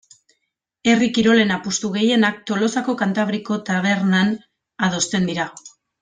Herri kirolen apustu gehienak Tolosako Kantabriko tabernan adosten dira.